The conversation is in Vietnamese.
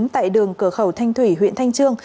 tại đường cửa khẩu thanh thủy huyện thanh trương